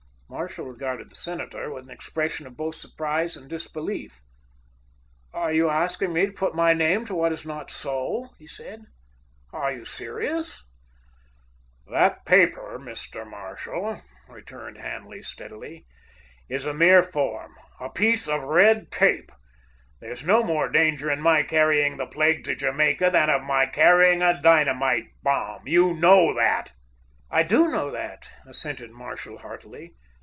Marshall regarded the senator with an expression of both surprise and disbelief. "Are you asking me to put my name to what is not so?" he said. "Are you serious?" "That paper, Mr. Marshall," returned Hanley steadily, "is a mere form, a piece of red tape. There's no more danger of my carrying the plague to Jamaica than of my carrying a dynamite bomb. You know that." "I do know that," assented Marshall heartily.